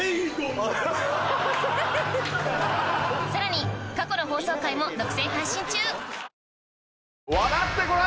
さらに過去の放送回も独占配信中！